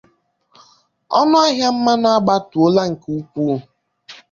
Ọnụ ahịa mmanụ agbatuola nke ukwu